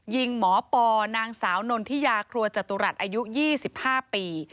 ยิงหมอปอนางสาวนนทิยาครัวจตุรัสอายุ๒๕ปี